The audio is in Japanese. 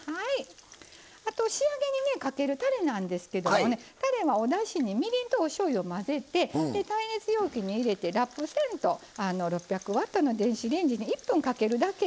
あと仕上げにねかけるたれなんですけどもねたれはおだしにみりんとおしょうゆを混ぜて耐熱容器に入れてラップせんと６００Ｗの電子レンジに１分かけるだけ。